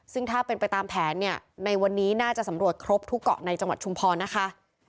ซึ่งถ้าเป็นไปตามแผนเนี่ยในวันนี้น่าจะสำรวจครบทุกเกาะในจังหวัดชุมพรนะคะ